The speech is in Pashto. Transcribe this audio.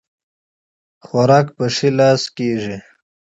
خوراک په ښي لاس کيږي